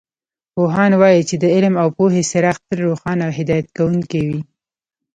پوهان وایي چې د علم او پوهې څراغ تل روښانه او هدایت کوونکې وي